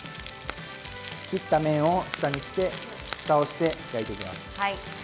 切った面を下にして蓋をして焼いていきます。